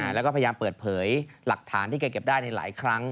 แล้วก็พยายามเปิดเผยหลักฐานที่แกเก็บได้ในหลายครั้ง